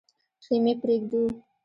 خېمې پرېږدو.